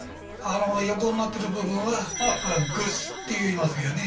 あの横になってる部分はぐしっていいますよね